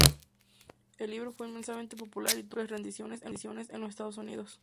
El libro fue inmensamente popular y tuvo múltiples reediciones en los Estados Unidos.